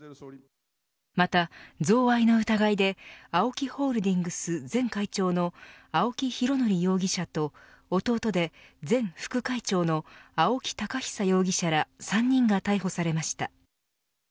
また、贈賄の疑いでＡＯＫＩホールディングス前会長の青木拡憲容疑者と弟で前副会長の青木宝久容疑者ら３人が逮捕されました。